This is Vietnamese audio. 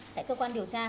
tại cơ quan điều tra